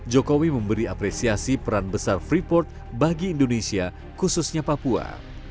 jokowi memberi apresiasi peran besar freeport bagi indonesia khususnya papua